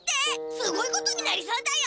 すごいことになりそうだよ！